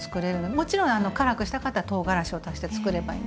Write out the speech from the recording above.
もちろん辛くしたかったらとうがらしを足してつくればいいんですけど。